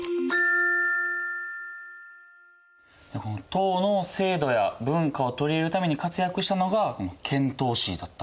唐の制度や文化を取り入れるために活躍したのが遣唐使だったんですね。